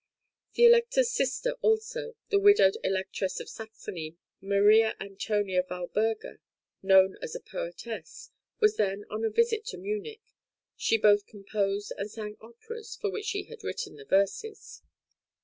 The Elector's sister also, the widowed Electress of Saxony Maria Antonia Walburga, known as a poetess, was then on a visit to Munich; she both composed and sang operas for which she had written the verses.